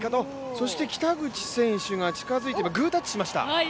そして北口選手が近づいて、グータッチしました。